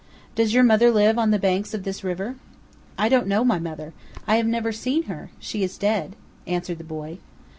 "Does your mother live on the banks of this river?" "I don't know my mother; I have never seen her; she is dead," answered the boy.